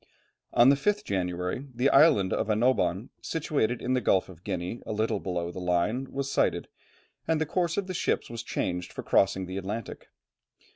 On the 5th January, the island of Annobon, situated in the Gulf of Guinea, a little below the Line, was sighted, and the course of the ships was changed for crossing the Atlantic.